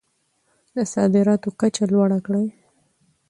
د صادراتو کچه لوړه کړئ.